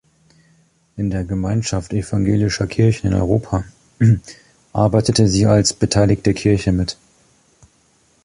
In der Gemeinschaft Evangelischer Kirchen in Europa arbeitete sie als „beteiligte Kirche“ mit.